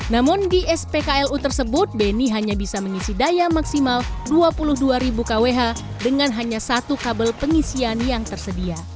namun di spklu tersebut beni hanya bisa mengisi daya maksimal dua puluh dua ribu kwh dengan hanya satu kabel pengisian yang tersedia